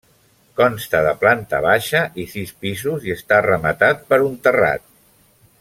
Consta de planta baixa i sis pisos i està rematat per un terrat.